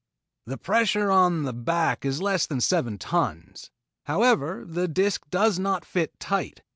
"The pressure on the back is less than seven tons. However, the disc does not fit tight.